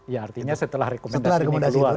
ya artinya setelah rekomendasi ini keluar